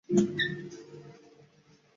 而这个词语有不同的内涵和外延。